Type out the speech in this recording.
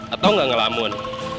atau tidak ngelamun